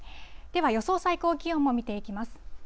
では予想最高気温も見ていきます。